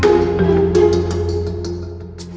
นี่อย่างความรักสำหรับผู้ชายแบบก็อตคือยังไงครับ